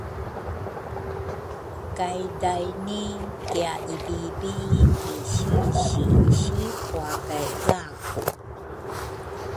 kay daini kiaibibi ki sinsi si pua kay gaku.